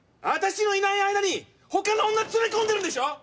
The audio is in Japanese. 私のいない間に他の女連れ込んでるんでしょ！